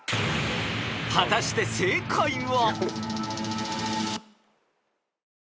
［果たして正解は？］